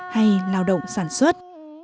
hay lào động sản xuất